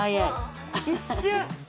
一瞬。